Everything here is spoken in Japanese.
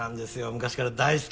昔から大好きで。